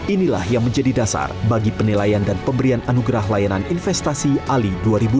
inilah yang menjadi dasar bagi penilaian dan pemberian anugerah layanan investasi ali dua ribu dua puluh